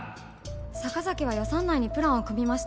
坂崎は予算内にプランを組みました。